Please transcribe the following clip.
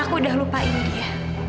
aku udah lupain dia